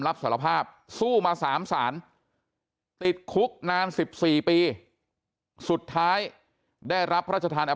รับสารภาพสู้มา๓ศาลติดคุกนาน๑๔ปีสุดท้ายได้รับพระราชทาน